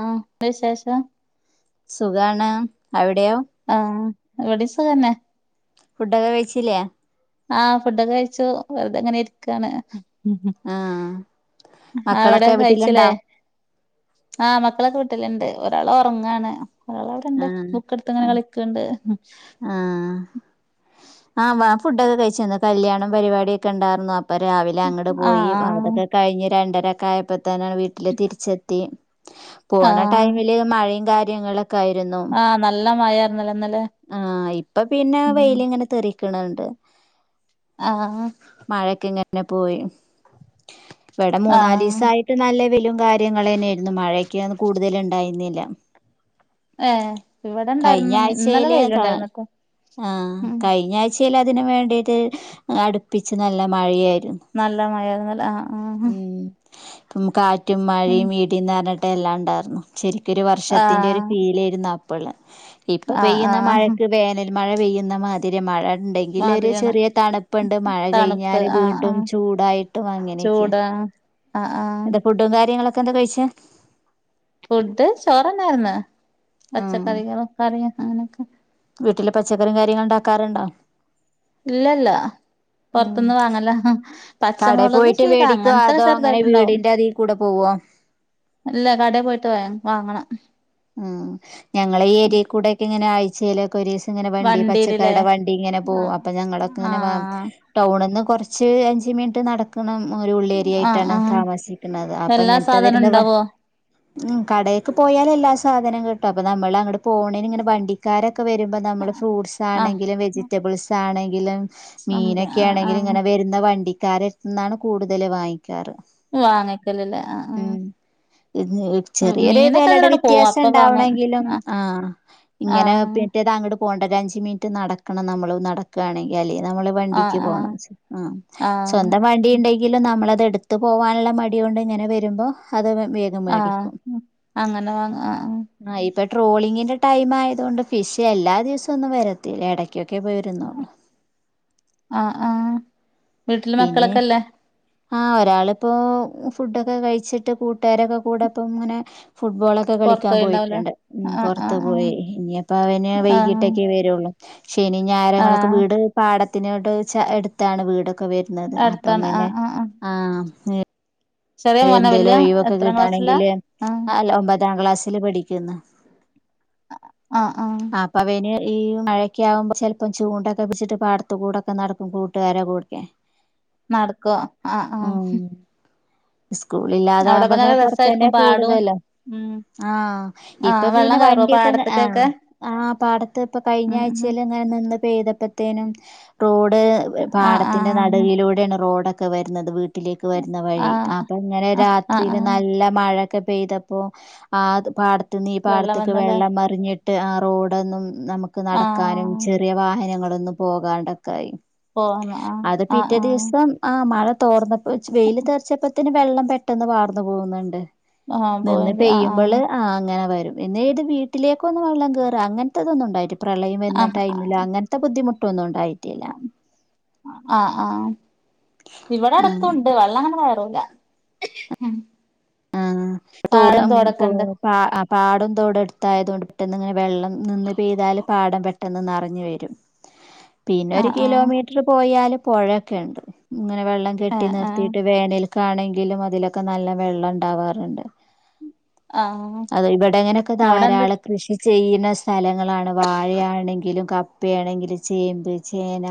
ആ വെയസേഷം സുഖാണ്. അവിടെയോ? ആഹ്.. ഇവടിം സുഗന്നെ. ഫുഡൊക്കെ കഴിച്ചില്ലേ? ആഹ് ഫുഡൊക്കെ കഴിച്ചു. വെറുതെങ്ങനെ ഇരിക്കാണ്. ഉം. ഉം. ആഹ് അവടെ മക്കളൊക്കെ വീട്ടിലുണ്ടോ കഴിച്ച്ലേ? ആഹ് മക്കളൊക്കെ വീട്ട്ല്ണ്ട്. ഒരാൾ ഒറങ്ങാണ്, ഒരാളവടണ്ട് ആഹ് ബുക്ക് എടുത്ത്ങ്ങനെ ആഹ് കളി ക്കണ്ട്. ആഹ്... ആ വാ ഫുഡൊക്കെ കഴിച്ച ന്ന് കല്യാണം പരിപാടിക്കെ ണ്ടാര്ന്നു അപ്പ പ്പൊ രാവിലെ ആഹ് അങ്ങട്പോയി. അവിടെക്കെ കഴിഞ്ഞ് രണ്ടരൊക്കെആയപ്പേ തന്നെ വീട്ടില് തിരിച്ചെത്തി. ആഹ് പോണ ആഹ് ടൈമില് മഴേ കാര്യങ്ങളൊക്കെ ആയിരുന്നു. ആഹ് നല്ല മഴയാര്ന്നല്ലേ ഇന്നലേ ആഹ് ഇപ്പ പിന്നെ വെയ്ല് ങ്ങനെ തെറിക്ണ് ണ്ട്. ആഹ് അഹ് മഴക്കെ ഇങ്ങനെ പോയി. വടെ ആഹ് മൂന്നാലീസായി ട്ട് നല്ല വെയിലും കാര്യങ്ങളെന്നെരുന്നു മഴക്ക കൂടുതല് ണ്ടായിരുന്നില്ല. ഏഹ് ഇവടെണ്ടായിരുന്നു ഇന്നലെ വെയില് ഏഹ് ആഹ് കഴിഞ്ഞ ആഴ് ചിലതിന് വേണ്ടിട്ട് അടുപ്പിച്ച് നല്ല മഴയായിരു നല്ല മയാര്ന്ന്ലെ ആഹ് ആഹ് പ്പം കാറ്റും ഉം മഴയും ഈടിയുംന്നർഞ്ഞിട്ടെ എല്ലാംണ്ടായിരുന്നു. ശരിക്കരു വർഷത്തിന്റെ ഒരു ആഹ് ഫീലേരുന്നുഅപ്പള് ഇപ്പൊ ആഹ് പെയ്യുന്ന മഴ ആഹ് വേനൽ മഴ പെയ്യുന്ന മാ ത്തിരി മഴ ഇണ്ടെങ്കില് ഒരു മാതിരിയാണ് ചെറിയ തണുപ്പ്ണ്ട് മഴ തണുപ്പ് കഴിഞ്ഞാല് ആഹ് വീണ്ടും ആഹ് ചൂടായിട്ടും അങ്ങനെയൊക്കെ ചൂടാ ആഹ് അഹ് ആഹ് ഫുഡും കാര്യങ്ങളൊക്കെ എന്താ കഴിച്ചേ? ഫുഡ് ചോറ്ന്നായ്‌ര്ന്ന് ഉം പച്ചക്കറികളും കറിയും അങ്ങനെയൊക്കെ വീട്ടില് പച്ചക്കറിം കാര്യങ്ങളും ണ്ടാക്കാറുണ്ടോ? ഇല്ലല്ല ഉം പൊർത്ത്ന്ന് വാങ്ങല. കടയിൽ പച്ചമുളക്, പോയിട്ട് ശീര, മേടിക്കോ അങ്ങൻത്തെ അതോ അങ്ങനെ ചെറുതായിട്ടുണ്ടാവും. വീടിന്റെ അതിൽ കൂടെ പോവോ എല്ല കടേ പോയിട്ട് വാങ്ങണം ഉം ഞങ്ങള ഈ ഏരിയേ കൂടെ ഒക്കെ ങ്ങനെ ആയ്ച്ചല് കൊരീസം ങ്ങനെ വണ്ടി വണ്ടീല്ല്ലേ പച്ചക്കടെ വണ്ടി ഇങ്ങനെ പോഉ ആഹ് അപ്പൊ ഞങ്ങളൊക്കെ ങ്ങനെ വാ ആഹ് ടൗണ്ന്ന് കൊർച്ച് അഞ്ച മിനിറ്റ് നട ക്കണം ഒരു ഉള്ളേരിയ ആഹ് ആയിട്ടാണ് ആഹ് താമസിക്കുന്നത് അപ്പൊ എല്ലാ ഇങ്ങൻത്തെ സാധനം വരുന്ന വ ഇണ്ടാവോ ഉം കടേക്ക് പോയാലല്ലാസ് സാധനം കിട്ടും അപ്പോ നമ്മൾ അങ്ങട്ട് പോണേന് ഇങ്ങനെ വണ്ടിക്കാരൊക്കെ വരുമ്പോ നമ്മൾ ഫ്രൂട്ട്സ് ആഹ് ആണെങ്കിലും വെജി റ്റബിൾസാണെങ്കിലും സംഖ്യ ആഹ് മീനൊക്കെണെങ്കില് ആഹ് ഇങ്ങനെ വര് ന്ന വണ്ടിക്കാരെട്ത്ത്ന്നാണ് കൂടുതല് വാങ്ങിക്കാറ് വാങ്ങിക്കലില്ലേ ആഹ് ഉം ആഹ് ചെറിയൊരു മീനൊക്കെ വേലടെ അതിനോട് വി പോവും ത്യാസം അപ്പ വാങ്ങും ണ്ടാവണങ്കിലും ആഹ് ഇങ്ങനെ ആഹ് പിറ്റേന്ന ങ്ങട് പോണ്ടരഞ്ച് മിനിറ്റ് നടക്കണം നമ്മൾ നട ക്കാണെങ്കിൽ അല്ലേ നമ്മള് വണ്ടിക്ക് ആഹ് ആഹ് പോണം ആഹ് ആഹ് സ്വന്തം വ ണ്ടിണ്ടെങ്കില് നമ്മളത് എട്ത്ത് പോവാൻള്ള മട്ണ്ട് ങ്ങനെ വരുമ്പോ അത് വെ വെ ആഹ് അങ്ങനെ വാങ്ങ ആഹ് ആഹ് ആഹ് ഇപ്പൊ ട്രോളിങ്ങിന്റെ ടൈം ആയതുകൊണ്ട് ഫിഷ് എല്ലാ ദിവസവും ഒന്നും വരത്തില്ല ഇടയ്ക്കൊക്കെ പോയിരുന്നു ആഹ് ആഹ് വീട്ടില് പിന്നെ മക്കളൊക്കെല്ലേ ആഹ് ഒരാളിപ്പോ ഫുഡൊക്കെ കഴിച്ചിട്ട് കൂട്ടുകാരൊക്കെ കൂടെപ്പങ്ങനെ ഫുട്ബോളൊ പ്പൊ പൊറത്ത് കളിക്കാൻ പോയിണ്ടാവൂലേ പോയിട്ടുണ്ട് ഉം ആഹ് പുറത്ത് ആഹ് പോയി ഇനി അപ്പോ അവന് ആഹ് ആഹ് വൈകീട്ടൊക്കെ വരുള്ളൂ ശനി ഞായരങ്ങളൊക്കെ ആഹ് വീട് പാടത്തിനോട്ട് ച എടുത്താണ് വീടൊ ക്കെ വരുന്നത് അപ്പൊ അടുത്താണ് അങ്ങനെ ആഹ് ആഹ് ആഹ് ചെറിയ മോനാ എന്തേലും വല്യ ഒഴിവൊക്കെ എത്രാം ക്ലാസ്സിലാ കിട്ടാണെങ്കില് ആഹ് ഒമ്പതാം ക്ലാസ്സിൽ പഠി ക്കുന്നു ആഹ് ആഹ് ആഹ് അപ്പവന് ഈ മഴക്ക ആകുമ്പോ ചിലപ്പം ചൂണ്ടൊക്കെ പിടിച്ചിട്ട് പാടത് കൂടൊക്കെ നടക്കും കൂട്ടുകാരെ കൂടക്കെ നടക്കും ആഹ് ആഹ് അവിടെപ്പ സ്കൂളില്ലാതാകുമ്പം നല്ല ഇങ്ങനെ പുറത്തന്ന്യാ രസായിരിക്കും പാടും കൂടുതലും ഉം ആഹ് ഇപ്പൊ ആഹ് പിന്നെ വെള്ളം കേറോ വണ്ടിയൊക്കെ ആഹ് പാടത്ത്ക്കൊക്കെ ആഹ് പാടത്ത് ഇപ്പൊ കഴിഞ്ഞ ഉം ഉം ആഴ്ച്ചെല് അങ്ങനെ നിന്ന് പെയ്തപ്പത്തേനും റോഡ് ആഹ് പാടത്തിന്റെ ആഹ് നടുവിലൂടെയാണ് റോഡക് ക്കെ വരുന്നത് വീട്ടിലേക്ക് വരുന്ന വഴി ആഹ് അപ്പ ഇങ്ങനെ ആഹ് ആഹ് രാത്രിയില് ആഹ് നല്ല മഴ ക്കെ പെയ്തപ്പോ ആത് പാടത്ത്ന്ന് ഈ വെള്ളം പാടത്ത്ക്ക് വന്നല്ലേ വെള്ളം മറിഞ്ഞി ട്ട് ആ റോഡൊന്നും നമുക്ക് നടക്കാനും ആഹ് ചെറിയ വാഹനങ്ങളൊന്നും പോകാണ്ടൊക്കായി പോവാന് ആഹ് അത് ആഹ് പിറ്റേ ആഹ് ദിവസം ആഹ് മഴ തോർന്നപ്പൊ വെയില് തെർച്ചപ്പത്തന് വെള്ളം പെട്ടെന്ന് വാർന്നു പോകുന്നുണ്ട് ആഹ് നിന്ന് പോയത് ആഹ് പെയ്യുമ്പള് ആഹ് അങ്ങനെ വരും പിന്നെ ഇത് വീട്ടിലേക്കൊന്ന് വെള്ളം കേയറുക അങ്ങനത്തെതൊന്നും ഉണ്ടായിട്ടി പ്രളയം വരുന്ന ആഹ് ടൈമിലോ അങ്ങനത്തെ ബുദ്ധിമുട്ടൊന്നും ഉണ്ടായിട്ടില്ല ആഹ് ആഹ് ഇവിടെ ആഹ് അടുത്തുണ്ട് വെള്ളം അങ്ങനെ കയറൂല ഉം ആഹ് തോടൊക്കെണ്ട് [unintelligible] പാടം തോടെ അടുത്തായതുകൊണ്ട് പെട്ടെന്ന് ഇങ്ങനെ വെള്ളം നിന്ന് പെയ്താല് പാടം പെട് ട്ടന്ന് നറഞ്ഞു വരും പിന്നെ ഒരു ആഹ് ആഹ് കിലോമീറ്റർ പോയാലും പുഴയൊക്കെ ഇണ്ട്, ഇങ്ങനെ വെള്ളം കെട്ടി ആഹ് ആഹ് നിർത്തിയിട്ട് വേനൽക്കാണെങ്കിലും അതിലൊക്കെ നല്ല വെള്ളം ഇൻ ണ്ടവാറുണ്ട് ആഹ് അത് ഇവിടെങ്ങനൊക്കെ അവിടെ എന്ത് ധാരാളം കൃഷി ചെയ്യുന്ന സ്ഥലങ്ങളാണ് വാഴയാണെങ്കിലും കപ്പയാണെങ്കിലും ചേമ്പ് ചേന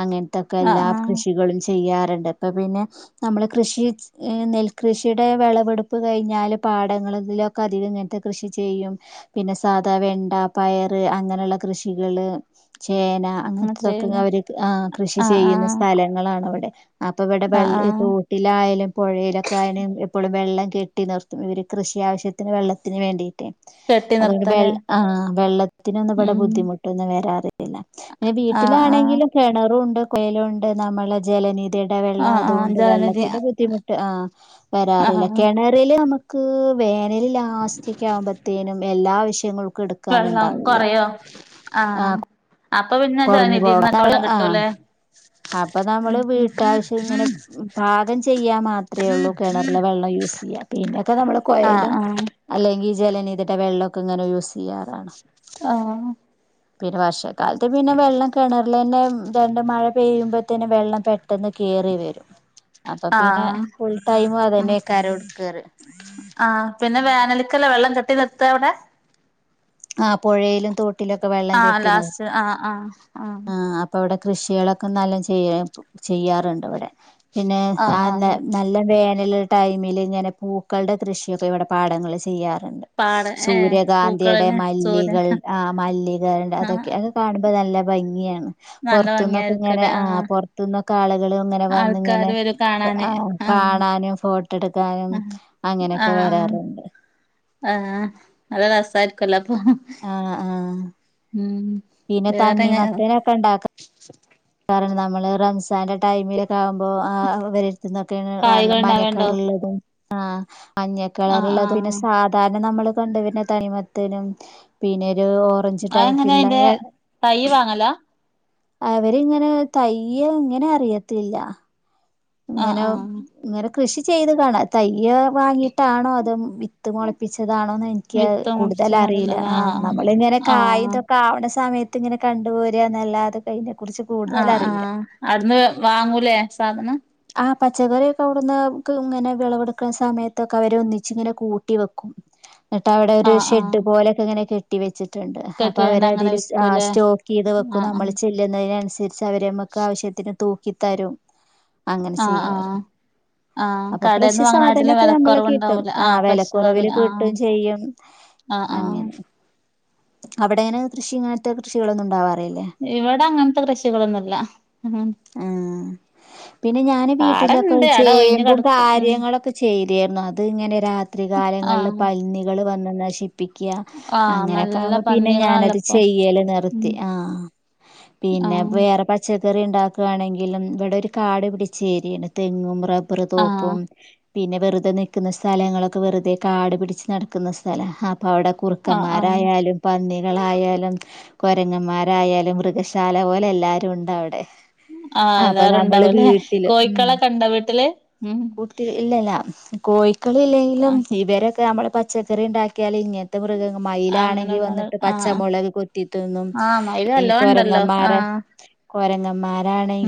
അങ്ങൻത്തൊക്കെ ആഹ് എല്ലാ ആഹ് കൃഷികളും ചെ ചെയ്യാറുണ്ട് അപ്പ പിന്നെ നമ്മൾ കൃഷി നെൽകൃഷിയുടെ വിളം വടുപ്പ് കഴിഞ്ഞാൽ പാടങ്ങളലൊക്കെ അധികം ഇങ്ങനത്തെ കൃഷി ചെയ്യും പിന്നെ സാധാ വെണ്ട പയറ് അങ്ങനെയുള്ള കൃഷികള് ചേന അങ്ങനെ അങ്ങൻത്തതൊക്കെ ചെയ്യൂലേ അവര് ആഹ് കൃഷി ആഹ് ചെയ്യുന്ന ആഹ് സ്ഥലങ്ങളണവിടെ അപ്പൊ ഇവിടെ ആഹ് വെള്ള ആഹ് തോ ട്ടിലായാലും പുഴയിലൊക്കെ ആയാലും എപ്പളും വെള്ളം കെട്ടി നിർത്തും ഇവര് കൃഷി ആവശ്യത്തിന് വെള്ളത്തിന് വേണ്ടിട്ടേ കെട്ടി അതുകൊണ്ട് വെ നിർത്തല്ലേ ആഹ് വെള്ളത്തിനൊന്നും ഇവിടെ ഉം ബുദ്ധിമുട്ടൊന്നും വരാറ് പിന്നെ ആഹ് ആഹ് വീട്ടിലാണെങ്കിലും കിണറും ഉണ്ട് കൊയലുണ്ട് നമ്മള ജലനി ധിടെ വെള്ളം ആഹ് ആഹ് അതുണ്ട് ജലനിധി വെള്ളത്തിന്റെ ബുദ്ധിമുട്ട് ആഹ് വരാറില്ല ആഹ് കിണറില് നമുക്ക് വേനലിൽ ലാസ്റ്റക്ക് ആകുമ്പത്തേനും എല്ലാ ആവിശ്യങ്ങൾക്കും എടു വെള്ളം കന്ണ്ടാവില്ല കൊറയോ ആഹ് അപ്പൊ പിന്നെ ജനിതീന്ന് ഒക്കെ വെള്ളം ആ കിട്ടൂലേ അപ്പൊ നമ്മള് വീട്ടാവശ്യം ഇങ്ങനെ പാകം ചെയ്യാ മാത്രെ ഉള്ളൂ കിണറിലെ വെള്ളം യൂസ് ചെയ്യാ പിന്നൊക്കെ നമ്മള് ആഹ് കൊയലും ആഹ് അല്ലെങ്കി ജലനിധിടെ വെള്ളൊക്കെ ഇങ്ങനെ യൂസ് ചെയ്യാ ആഹ് പിന്നെ വർഷക്കാലത്ത് പിന്നെ വെള്ളം കിണറിലന്നെ രണ്ട് മഴ പെയ്യുമ്പത്തെനും വെള്ളം പെട്ടെന്ന് കേറി വരും അപ്പൊ പിന്നെ ആഹ് ഫുൾ ടൈമും ഉം അതന്നെയക്കാരം എടുക്കാറ് ആഹ് പിന്നെ വേനല്ക്കല്ലേ വെള്ളം കെട്ടി നിർത്ത അവിടെ ആഹ് പുഴയിലും തോട്ടിലൊക്കെ വെള്ളം ആഹ് കെട്ടി നിർത്തും ലാസ്റ്റ് ആഹ് ആഹ് ആഹ് അപ് പ്പ അവിടെ കൃഷികളൊക്കെ നല്ല ചെയ്യ ചെയ്യാറുണ്ട് അവിടെ പിന്നെ ആഹ് അന്ന ആഹ് നൽ നല്ല വേനല് ടൈമില് ഇങ്ങനെ പൂക്കളുടെ കൃഷിയൊക്കെ ഇവിടെ പാടങ്ങൾല് ചെയ്യാറുണ്ട്. പാട ഏഹ് സൂര്യകാന്തി പൂക്കളല്ലേ ചോര മല്ലികൾ ആഹ് മല്ലികളണ്ട് ആഹ് അതൊക്കെ അത് കാണുമ്പൊ നല്ല ഭംഗിയാണ് നല്ല പൊറത്ത്ന്നൊക്ക ഇങ്ങനെ ഭംഗിയായിരിക്കുംല്ലേ ആഹ് പൊറത്ത്ന്ന് ഒക്ക ആളുകള് ഇങ്ങനെ വന്ന് ഇങ്ങനെ ആൾക്കാര് വരും കാണാന് ആഹ് കാണാനും ഫോട്ട ഇട്ക്കാനും ആഹ് അങ്ങനൊക്കെ ആഹ് വരാറ്ണ്ട് ആഹ് നല്ല രസയ്ര്ക്കുലെ അപ്പൊ ആഹ് ആഹ് ഉം പിന്ന തണ്ണി വേറെങ്ങ മത്തനൊക്ക ഇണ്ടാക്ക കാര്ണ നമ്മളെ റംസാന്റെ ടൈമില് ക്കാവുമ്പൊ ആഹ് അവ ഇവരര്ത്തൊന്നൊക്കേണ് വാങ്ങ കായ്കൾ ഇണ്ടാവേണ്ടോ മഞ്ഞക്കളറള്ളതും ആഹ് മഞ്ഞ ആഹ് കളറ്ള്ളതും ആഹ് പിന്നെ സാധാര്ണ നമ്മള് കണ്ട് വര്ണ തണിമത്തനും പിന്നൊരു ഓ റഞ്ച് ടൈയ്പ്പില്ല ഏഹ് തയ്യ് വാങ്ങലാ അവരിങ്ങനെ തയ്യ് എങ്ങനാ അറിയത്തില്ല ആഹ് ഇങ്ങനെ ആഹ് ഇങ്ങനെ കൃഷി ചെയ്ത് കാണ തയ്യ് വാങ്ങീട്ടാണൊ അതൊ വി ത്ത് മുളപ്പിച്ചതാണോന്ന് എൻക്ക് വിത്ത് മുറിച്ച് കൂടുതലറീല നടലല്ലേ ആഹ് നമ്മളിങ്ങനെ കായ് ആഹ് ഇതൊക്കാവ്ണ സമയത്ത് ത്ത് ഇങ്ങനെ കണ്ടുപോര ന്നല്ലാതെ അയിനെ കുറ്ച്ച് കൂ ആഹ് ആഹ് അവ്ട്ന്ന് വാങ്ങൂലേ സാധനം ആഹ് പച്ചക്കറിയൊക്കെ അവ്ടുന്ന് ക് ഇങ്ങനെ വെളവെടുക്ക്ന്ന സമയത്തൊക്കെ അവര് ഒന്നിച്ച് ഇങ്ങനെ കൂട്ടി വെക്കും ഇന്നിട്ട് അവിടെ ഒരു ആഹ് ആഹ് ഷെഡ് പോലൊക്ക ഇങ്ങന കെ ട്ടി വെച്ചിട്ട്ണ്ട് അപ്പൊ കെട്ടിയോണ്ട് അങ്ങനെ അവരതില് ആഹ് വിക്കൂലേ സ്റ്റോക്കീത് വെക്കും ആഹ് ആഹ് നമ്മള് ചെല്ലുന്നതിനൻസരിച്ച് ച്ച് അവര് നമ്മക്ക് ആവശ്യത്തിന് തൂക്കി തരും അങ്ങനെ ആഹ് ചെയ്യാറ് ആഹ് ആഹ് അപ്പൊ കടേന്ന് ഫ്രഷ് വാങ്ങണാട്ടിലും സാധനൊക്ക നമ്മള് കിട്ടും വെലക്കൊറവുണ്ടാവൂല ആഹ് ഫ്രഷ് വെലക്കുറവില് സാധനം ആഹ് കിട്ടും ചെയ്യും ആഹ് ആഹ് അവിടെങ്ങനെ കൃഷിങ്ങൻത്തെ കൃഷികളൊന്നും ഉണ്ടാവാറില്ലെ ഇവടെ അങ്ങൻത്തെ കൃഷികളൊന്നുല്ല ആഹ് പിന്നെ ഞാന് വീട്ടിലൊക്ക പാടണ്ട് ആടെ ഒഴിഞ്ഞ് ചേമ്പും കെടക്കും ഉം കാര്യങ്ങളൊക്കെ ചെരിയായിരുന്നു അത് ഇങ്ങനെ രാത്രികാലങ്ങൾല് ആഹ് പന്നികള് വന്ന് നശി പ്പിക്ക ആഹ് അങ്ങന നല്ല താവുമ്പ പിന്നെ പന്നികളാണല്ലോ ഞാനത് ഇപ്പൊ ചെയ്യല് ഉം നിർത്തി ആഹ് പിന്നെ ആഹ് വേറെ ച്ചക്കറി ഇണ്ടാക്കാണെങ്കിലും ഇവടൊര് കാട് പിടിച്ചേരിയേണ് തെങ്ങും റബ് ബ്ബറ് ആഹ് തോപ്പും പിന്നെ വെറ്തെ നിക്കുന്ന സ്ഥലങ്ങളൊക്കെ വെറ്തെ കാട്പിടിച്ച് നടക്കുന്ന സ്ഥലാ അപ്പ അവടെ ആഹ് ആഹ് കുറ്ക്കന്മാരായാലും പന്നികളായാലും കൊരങ്ങന്മാരായാലും മൃഗശാല പോലെ എല്ലാരു ഉണ്ട് അവടെ ആഹ് അപ്പൊ എല്ലാരും നമ്മള് ഉണ്ടാവൂലേ വീട്ടില് ഉം കോഴിക്കളൊക്കെ ഇണ്ടോ വീട്ടില് ഉം കുട്ടി ഇല്ലല്ല കോഴിക്കള് ആഹ് ഇല്ലേങ്കിലും ഇവരൊക്കെ നമ്മള് പച്ചക്കറി ഇണ്ടാക്ക്യാല് ഇങ്ങ ത്ത്‌ മൃഗങ്ങ ആഹ് മയിലാണ് അങ്ങനെ ഒന്നര വന്നിട്ട് ആഹ് ആഹ് പച്ചമൊളക് കൊത്തിതിന്നും ആഹ് മയില് ഈ നല്ലോം ഇണ്ടല്ലോ കൊരങ്ങന്മാര് ആഹ്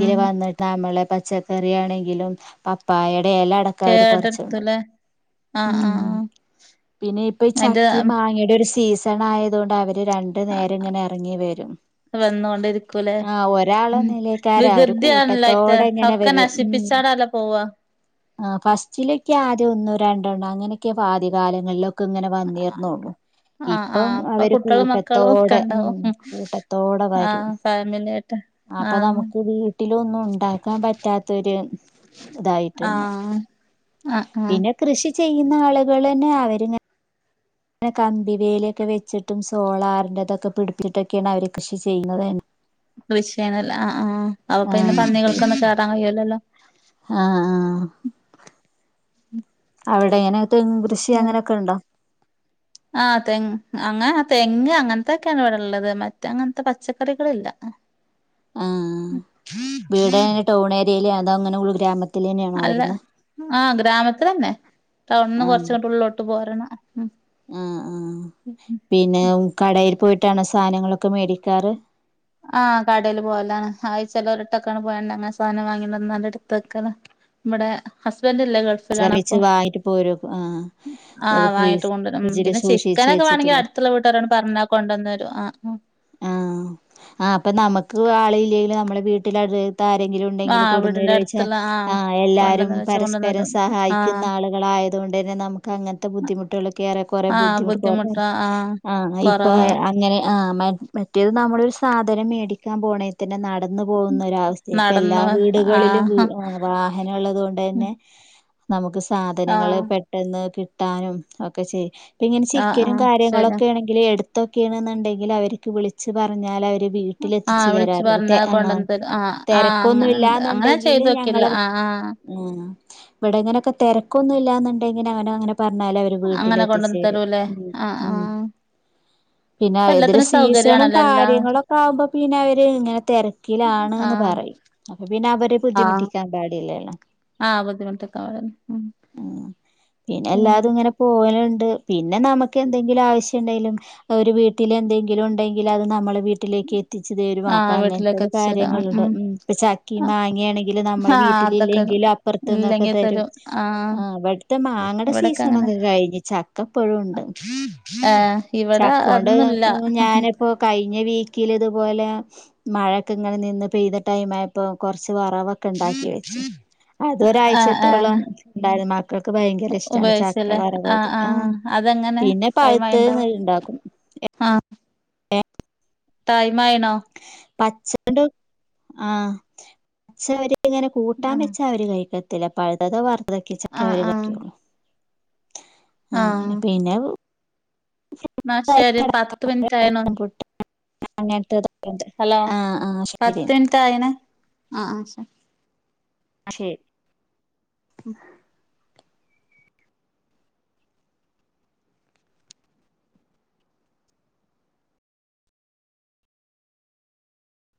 ഉം വന്നിട്ട് നമ്മളെ പച്ചക്കറി ആണെങ്കിലും പപ്പായേടെ എല അട ക്കെ അവര് പറിച്ചൊണ്ടോവും കേടെടുത്തുല്ലേ ആഹ് ഉം ആഹ് പിന്നെ ഇപ്പ ഈ അയിന്റെ ചക്കി മാങ്ങിടെ ഒരു സീസണായതോണ്ട് അവര് രണ്ട് ട്ട് നേരങ്ങനെ എറ്ങ്ങി വെരും വന്നോണ്ടിരിക്കുലേ ഉം ഒരാളൊന്നുല്ലേക്കാരം അവര് വികൃതിയല്ലയ്റ്റ കൂട്ടത്തോടെ ഇങ്ങനെ ഒക്ക നശിപ്പിച്ചാണല്ലോ പോവ ആഹ് ഫസ്റ്റിലൊക്കെ ആദ്യം ഒന്നും രണ്ടെണ്ണം അങ്ങനെയൊക്കെ ആദ്യ കാലങ്ങളിലൊക്ക ഇങ്ങനെ വന്നീർന്നൊള്ളു ആഹ് ഇപ്പം ആഹ് അപ്പൊ അവര് കുട്ടികളും മക്കളും ഒക്കെ കൂട്ടത്തോടെ ഉം ഇണ്ടാവും കൂട്ടത്തോടെ വരും. ആഹ് ഫാമിലി ആയിട്ട് അപ്പ ആഹ് നമുക്ക് വീട്ടിലൊന്നും ണ്ടാക്കാൻ പറ്റാത്തോര് ഇതായിട്ട്ണ്. ആഹ് ആഹ് ആഹ് പിന്നെ കൃഷി ചെയ്യുന്ന ആള്കളെന്നെ അവരിങ്ങ ഇങ്ങനെ കമ്പിവേലി ഒക്കെ വെച്ചിട്ടും സോളാറിന്റെ ഇതൊക്കെ പിട്പ്പിച്ചിട്ടൊക്കെയാണ് അവര് കൃഷി ചെയ്യുന്നതന്നെ കൃഷിണല്ലേ അഹ് ആഹ് അപ്പൊ പിന്നെ ആഹ് പന്നികൾക്കൊന്നും കേറാൻ കയുലല്ലോ. ആഹ് ആഹ് ഉം അവിടെ എങ്ങനെ തെങ്‌ കൃഷി അങ്ങനെയൊക്കെ ഇണ്ടോ. ആഹ് തെങ് അങ്ങ തെങ്ങ് അങ്ങൻത്തോക്കേണ് ഇവിടെ ഇള്ളത്. മറ്റെഅങ്ങൻത്തെ പച്ചക്കറികള് ഇല്ല. ആഹ് വീടെങ്ങനെ ടൗൺ ഏരിയയിലെ അതോ അങ്ങനെ ഉൾ ഗ്രാമത്തി അല്ല ആഹ് ഗ്രാമത്തിലെന്നെ. ടൗണ്ന്ന് ആഹ് കൊറ്ച് ഇങ്ങട്ട് ഉള്ളോട്ട് പോരണം ഉം. ആഹ് ആഹ്. പിന്നെ കടേൽ പോയിട്ടാണോ സാനങ്ങളൊക്കെ മേടിക്കാറ്. ആഹ് കടേല് പോവലാണ്. ആയി ചെലോര് ട്ടൊക്കാണ് പോയണ്ടങ്ങെനെ സാനം വാങ്ങി ക്കൊണ്ടന്നാണ്ട് ഇട്ത്തക്കല മ്മടെ ഹസ്ബന്റില്ല ഗൾ പ്പ് ചെറിച്ച് ലാണപ്പം. വാങ്ങിട്ട് പോരും ആഹ് അത് ആഹ് വാങ്ങിട്ട് ഫ്രീസ് കൊണ്ടെരും. ഫ്രിഡ്ജില് പിന്നെ സൂക്ഷിച്ച് ചിക്കെനോക്കെ വാണെങ്കി വെച്ചിട്ടില്ലേ ത്ത്‌ള്ള വീട്ട്കാരോട് പറ്ഞാ കൊണ്ടന്നെരും ആഹ് ആഹ് ആഹ് അപ്പ നമ്മക്ക് ആള്ല്ലേലും നമ്മളെ വീട്ടിലത് ത്ത്‌ ആരെങ്കിലും ആഹ് ഇണ്ടെങ്കില് ആഹ് കൊട്ന്ന് വീടിന്റെ വെരോയ്ച്ചാ അടുത്തുള്ള ആഹ് എല്ലാരും കൊണ്ടന്ന് വെച്ച കൊണ്ടന്ന് പരസ്പരം തരും ആഹ് സഹായിക്കുന്ന ആളുകളായ അത്കൊണ്ടെന്നെ നമുക്ക് അങ്ങൻത്തെ ബുദ്ധിമുട്ടുകൾ ഏറെ കൊറെ കൊറെ ആഹ് ബുദ്ധിമുട്ട് കൊറയാൻ ബുദ്ധിമുട്ടാ ആഹ് ഇപ്പ കൊറവാ അങ്ങനെ ആഹ് മറ്റേത് നമ്മളൊരു സാധനം മേടിക്കാൻ പോണ തന്നെ നടന്ന് പോകുന്ന ഒരവസ്ഥ ഇപ്പ എല്ലാ നടന്നു വീടുകളിലും ആഹ് ആഹ് വാ അങ്ങന ഉള്ളത് കൊണ്ട് തന്നെ നമുക്ക് സാധനങ്ങള് പെ പെട്ടെന്ന് കിട്ടാനും ഒക്കെ ചെയ്. ഇപ്പ. ങ്ങനെ ആഹ് ചിക്കനും ആഹ് ശരി കാര്യങ്ങളൊക്കെ ആണെ ങ്കില് എട്ത്തൊക്കേണ്ന്നെണ്ടെങ്കിൽ അവർക്ക് വിളിച്ച്പറഞ്ഞാല് അവര് വീട്ടിലെത്തിച് ആഹ് വിളിച്ചു തരാറ്. പറഞ്ഞ ആഹ് കൊണ്ടന്ന് തരും ആഹ് ആഹ് തെരക്കൊന്നും അങ്ങനെണ്ട് അങ്ങനെ ഇല്ലാന്ന്ണ്ടെങ്കില് ചെയ്ത് നോക്കില്ല ഞങ്ങളെ ആഹ് ആഹ് ആഹ് ഇവെടെ ഇങ്ങനൊക്കെ തെര്ക്കൊന്നും ഇല്ലാന്ന്ണ്ടെങ്കില് അവനെ അങ്ങനെ പറഞ്ഞാല് ന്റെ അങ്ങനെ കൊണ്ടന്ന് വിട്ട്ലെത്തിചെരും തരൂല്ലേ ആഹ് ഉം ആഹ് പിന്നെ ഇപ്പ ഇത് ല് എല്ലാത്തിനും സ് സീസണും സൗകര്യാണല്ലോ എല്ലാ കാര്യങ്ങളൊക്കെ ആകുമ്പോ പിന്നെ അവര് ഇങ്ങനെ തെരക്കിലാണ്. ആഹ് പറയും അപ്പ പിന്നെ അവരെ ആഹ് ബുദ്ധിമുട്ടിക്കാൻ പാടില്ലല്ലോ ആഹ് ബുദ്ധിമുട്ടിക്കാ ഉം പിന്നെ എല്ലാതും [unintelligible] ഇങ്ങനെ പോവല്ണ്ട്. പിന്നെ നമക്ക് എന്തെങ്കിലും ആവശ്യംണ്ടെങ്കിലും ഒര് വീട്ടിൽ എന്തെ ങ്കിലുണ്ടെങ്കില് അത് നമ്മളെ വീട്ടി വീട്ടിലേക്ക് എത്തിച്ചു തെരും. അപ്പ ആഹ് വീട്ടിലേക്ക് അങ്ങൻത്തത് എത്തിച്ചേരാ കാര്യങ്ങള്ണ്ട് ഉം പ്പൊ ചക്കീ ഉം മാങ്ങയാണെ ഇല് നമ്മളെ ആഹ് അതൊക്കെ വീട്ടിലില്ലെങ്കിലും അപ്പർത്ത്ന്നൊക്കെ തരും ആഹ് അവട്ത്തെ മാങ്ങടെ ഇവിടൊക്കെ അങ്ങനെ സീസണൊക്കെ കഴിഞ്ഞു. ഇ ചക്ക ഇപ്പഴൂണ്ട് ഏഹ് ഇവിടെ ചക്കോണ്ട്. അതൊന്നുല്ല [unintelligible] ഞാനിപ്പോ കഴിഞ്ഞ വീക്കില് തതുപോലെ. മഴൊക്കെ ഇങ്ങനെ നിന്ന് പെയ്ത ടൈമായ പ്പോ കൊറച്ച് വറവൊ ക്കെ ഇണ്ടാക്കി വെച്ച് അത് ആഹ് ഒരാഴ്ചത്തോളം ആഹ് ണ്ടായിരു മക്കൾക്ക് ഭയങ്കര ഇഷ്ട്ടാണ് ചക്ക ഉപയോഗിച്ചല്ലേ ഗ്രാന്റ. ആഹ് അതെങ്ങനെ പിന്നെ ടൈമായിണ്ടാവും പഴുത്തേന്ന്ണ്ടാക്കും. ആഹ് ടൈമായിണോ. പച്ചോണ്ട് ആഹ് പച്ചവര് ഇങ്ങനെ കൂട്ടാൻ ആഹ് വെച്ചാ അവര് കഴിക്കത്തി തിലപ്പഴ്ത്തതോ വറുത്തതൊക്കെച്ചക്കെ ആഹ് അവര് ആഹ് കൈകൊള്ളു. ഉം ഉം അങ്ങനെ പിന്നെ. ആഹ് ശെരി പത്ത് മിൻറ്റായിണു. ആഹ് അങ്ങൻത്തതൊക്കണ്ട് ആഹ്, ആഹ് ശരി. ത്തായേണ് അഹ് ആഹ് ശെ ആഹ് ശെരി. ഉം.